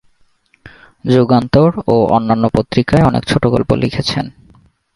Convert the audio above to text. যুগান্তর ও অন্যান্য পত্রিকায় অনেক ছোটগল্প লিখেছেন।